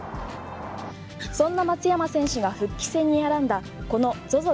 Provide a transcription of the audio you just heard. そんな松山選手が復帰戦に選んだＺＯＺＯ